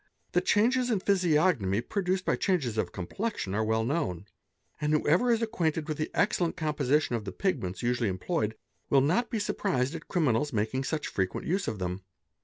The changes in physiognomy produced by changes of complexion are _ well known; and whoever is acquainted with the excellent composition of the pigments usually employed, will not be surprised at criminals making such frequent use of them.